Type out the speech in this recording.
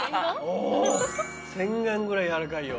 お洗顔ぐらいやわらかいよ。